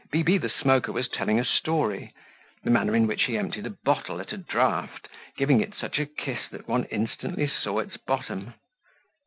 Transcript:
Bibi the Smoker was telling a story—the manner in which he emptied a bottle at a draught, giving it such a kiss that one instantly saw its bottom.